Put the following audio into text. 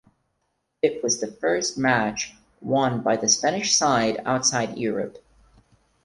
It was the first match won by the Spanish side outside Europe.